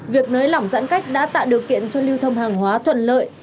việc nới lỏng giãn cách đã tạo điều kiện cho lưu thông hàng hóa thuận lợi